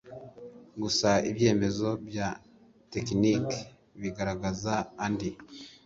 Gusa ibyemezo bya tekiniki bigaragaza andi